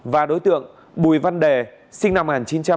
và đối tượng bùi văn đề sinh năm một nghìn chín trăm chín mươi